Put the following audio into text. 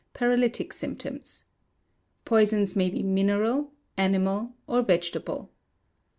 Paralytic symptoms. Poisons may be mineral, animal, or vegetable.